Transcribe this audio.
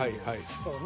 そうね。